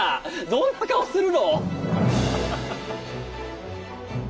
どんな顔するろう。